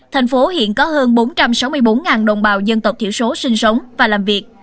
thành phố hiện có hơn bốn trăm sáu mươi bốn đồng bào dân tộc thiểu số sinh sống và làm việc